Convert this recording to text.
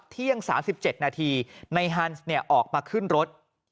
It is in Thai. เที่ยง๓๗นาทีในฮันส์ออกมาขึ้นรถ